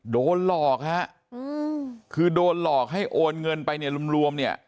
โดนหลอกฮะคือโดนหลอกให้โอนเงินไปเนี่ยรวมเนี่ย